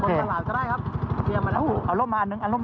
เอาล่ะไม่ต้องรีบ